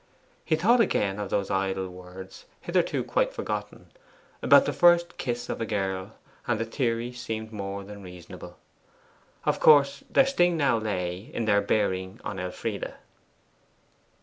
He thought again of those idle words hitherto quite forgotten about the first kiss of a girl, and the theory seemed more than reasonable. Of course their sting now lay in their bearing on Elfride.